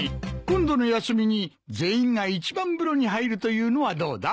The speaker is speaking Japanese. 今度の休みに全員が一番風呂に入るというのはどうだ？